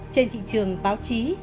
trên thị trường báo chí